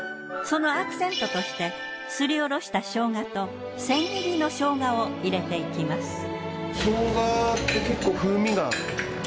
そのアクセントとしてすりおろした生姜と千切りの生姜を入れていきます。